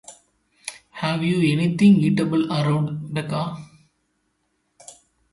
Have you anything eatable around, Becca?